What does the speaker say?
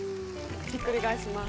ひっくり返します。